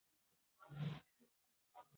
اداري اصول د ادارې د کړنو لارښود دي.